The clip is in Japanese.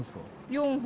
４本。